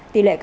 tỷ lệ ca bệnh